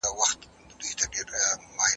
اسلام د علم د پیاوړتیا لپاره ښځو ته ځای ورکوي.